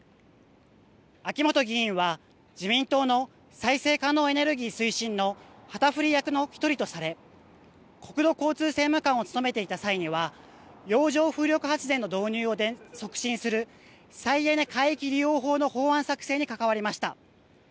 秋本議員は自民党の再生エネルギー推進の旗振り役の１人とされ国土交通政務官を務めていた際には洋上風力発電の導入を促進する再エネ海域利用法の法案作成に関わりました。